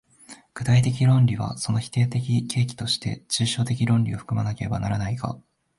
具体的論理はその否定的契機として抽象的論理を含まねばならないが、